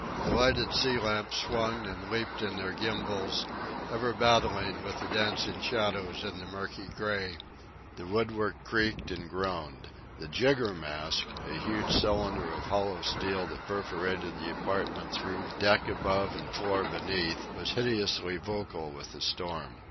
The lighted sea lamps swung and leaped in their gimbals, ever battling with the dancing shadows in the murky gray. The wood work creaked and groaned. The jiggermast, a huge cylinder of hollow steel that perforated the apartment through deck above and floor beneath, was hideously vocal with the storm.